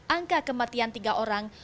angka kematian tiga orang